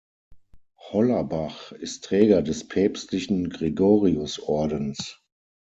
Hollerbach ist Träger des Päpstlichen Gregoriusordens.